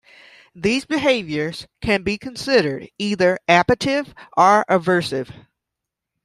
These behaviors can be considered either appetitive or aversive.